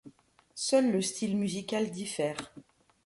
Seul le style musical diffère.